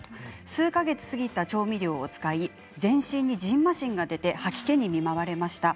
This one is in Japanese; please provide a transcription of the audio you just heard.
数か月、過ぎた調味料を使い全身にじんましんが出て吐き気に見舞われました。